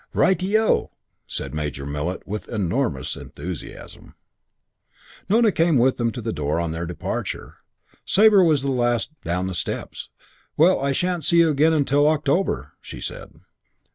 "Ri te O!" said Major Millet with enormous enthusiasm. Nona came with them to the door on their departure. Sabre was last down the steps. "Well, I shan't see you again till October," she said.